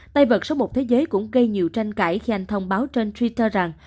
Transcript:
tay vợt số một thế giới cũng gây nhiều tranh cãi khi anh thông báo trên twitter rằng